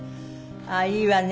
ああいいわね。